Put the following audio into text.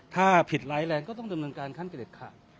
ถ้าผิดร้ายแรงก็ต้องดำเนินการขั้นเด็ดขาด